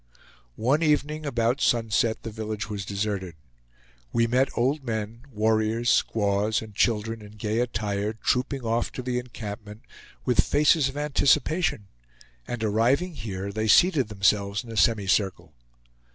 One evening, about sunset, the village was deserted. We met old men, warriors, squaws, and children in gay attire, trooping off to the encampment, with faces of anticipation; and, arriving here, they seated themselves in a semicircle.